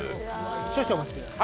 少々お待ちください。